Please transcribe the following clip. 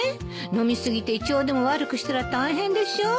飲み過ぎて胃腸でも悪くしたら大変でしょ。